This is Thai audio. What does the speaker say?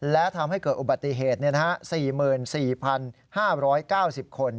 และทำให้เกิดอุบัติเหตุ๔๔๕๙๐คน